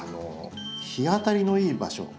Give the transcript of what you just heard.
日当たりのいい場所